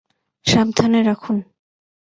সাবধানে রাখুন।